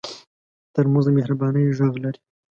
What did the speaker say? ترموز د مهربانۍ غږ لري.